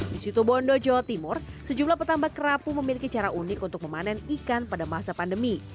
di situ bondo jawa timur sejumlah petambak kerapu memiliki cara unik untuk memanen ikan pada masa pandemi